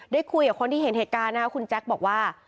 ได้คุยกับคนที่เห็นเหตุการณ์นะครับคุณแจ๊คบอกว่า